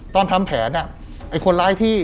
ตอนทำแผนเนี่ย